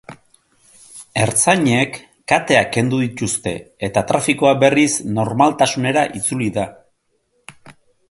Ertzainek kateak kendu dituzte eta trafikoa berriz normaltasunera itzuli da.